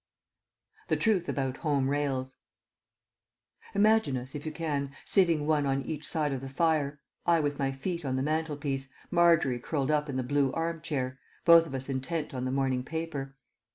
THE TRUTH ABOUT HOME RAILS Imagine us, if you can, sitting one on each side of the fire, I with my feet on the mantelpiece, Margery curled up in the blue arm chair, both of us intent on the morning paper.